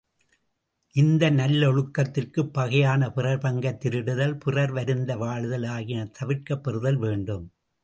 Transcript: இந்த நல்லொழுக்கத்திற்குப் பகையான பிறர் பங்கைத் திருடுதல், பிறர் வருந்த வாழ்தல் ஆகியன தவிர்க்கப் பெறுதல் வேண்டும்.